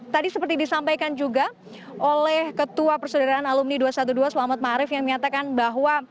tadi seperti disampaikan juga oleh ketua persaudaraan alumni dua ratus dua belas selamat ⁇ maarif ⁇ yang menyatakan bahwa